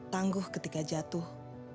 tangguh ketika jatuh